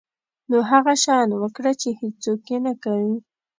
نو هغه شیان وکړه چې هیڅوک یې نه کوي.